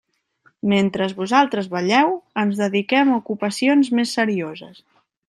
Mentre vosaltres balleu ens dediquem a ocupacions més serioses.